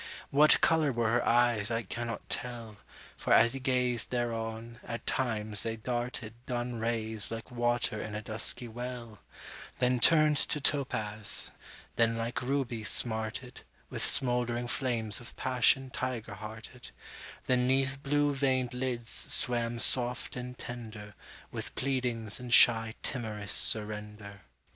What color were her eyes I cannot tell; For as he gazed thereon, at times they dartedDun rays like water in a dusky well; Then turned to topaz: then like rubies smartedWith smouldering flames of passion tiger hearted; Then 'neath blue veined lids swam soft and tenderWith pleadings and shy timorous surrender.